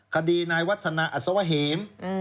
คดีนายวัฒนาอัศวะเหม